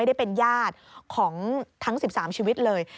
ได้เป็นญาติของทั้ง๑๓ชีวิตเลย